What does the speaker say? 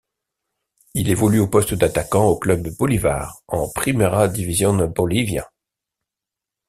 Il évolue au poste d'attaquant au Club Bolívar en Primera Division Bolivia.